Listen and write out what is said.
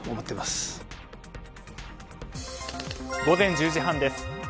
午前１０時半です。